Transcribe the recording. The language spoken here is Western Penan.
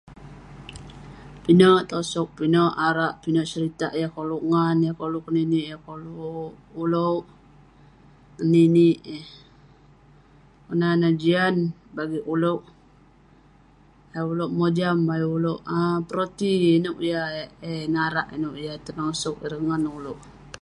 Pinek tosok, pinek arak, pinek seritak yah kolouk ngan, yah koluk kelinik, yah koluk ulouk ngelinik. Menan ne jian bagi ulouk, ayuk mojqm ayuk ulouk peroti.